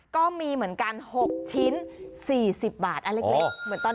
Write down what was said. ก็มีเหมือนกัน๖ชิ้น๔๐บาท